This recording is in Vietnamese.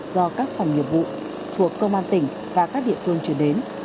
do các phòng nghiệp vụ thuộc công an tỉnh và các địa phương chuyển đến